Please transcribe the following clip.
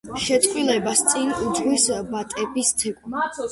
შეწყვილებას წინ უძღვის ბატების ცეკვა.